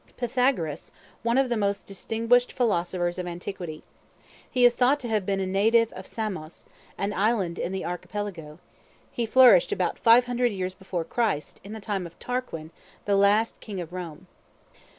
Pythagoras, one of the most distinguished philosophers of antiquity. He is thought to have been a native of Samos, an island in the Archipelago; he flourished about 500 years before Christ, in the time of Tarquin, the last King of Rome.